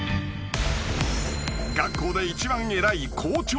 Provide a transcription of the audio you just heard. ［学校で一番偉い］